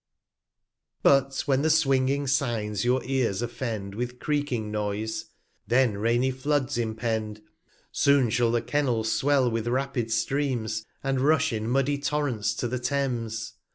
r~ But when the swinging Signs your Ears offend With creaking Noise, then rainy Floods impend; Soon shall the Kennels swell with rapid Streams, And rush in muddy Torrents to the Thames.